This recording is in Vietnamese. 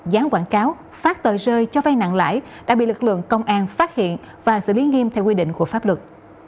gián quảng cáo phát tờ rơi cho vai nặng lãi đã bị lực lượng công an phát hiện và xử lý nghiêm theo quy định của pháp luật